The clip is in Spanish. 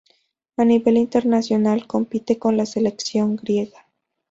A nivel internacional compite con la selección griega.